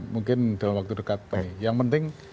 mungkin dalam waktu dekat yang penting